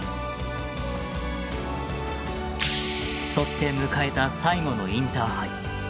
そして迎えた最後のインターハイ。